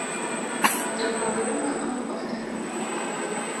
Japuonjre ma ok ohero